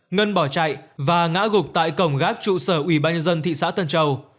ngân bỏ chạy và ngã gục tại cổng gác trụ sở ủy ban nhân dân thị xã tân châu